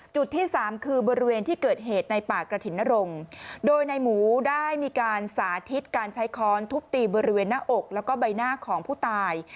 จุดที่สามคือบริเวณที่เกิดเหตุในป่ากระถิ่นนรงโดยในหมูได้มีการสาธิตการใช้ค้อนทุบตีบริเวณหน้าอกแล้วก็ใบหน้าของผู้ตาย